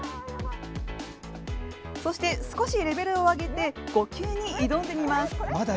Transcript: そして少しレベルを上げて５級に挑んでみます。